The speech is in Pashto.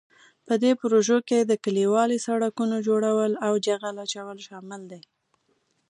په دې پروژو کې د کلیوالي سړکونو جوړول او جغل اچول شامل دي.